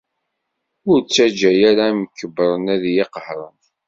Ur ttaǧǧa ara imkebbren ad iyi-qehren.